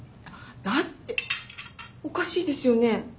だっておかしいですよね？